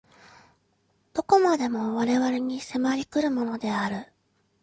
何処までも我々に迫り来るものである。